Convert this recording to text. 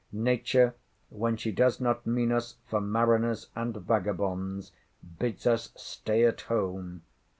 Nature, where she does not mean us for mariners and vagabonds, bids us stay at home.